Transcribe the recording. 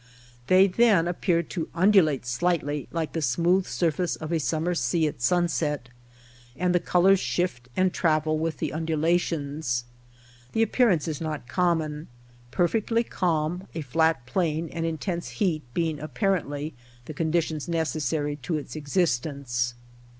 They then appear to undulate slightly like the smooth surface of a summer sea at sunset ; and the colors shift and travel with the undulations. The appearance is not common ; perfect calm, a flat plain, and intense heat being apparently the conditions necessary to its existence.